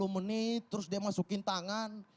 tiga puluh menit terus dia masukin tangan